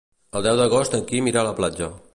El deu d'agost en Quim irà a la platja.